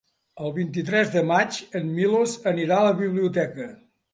El vint-i-tres de maig en Milos anirà a la biblioteca.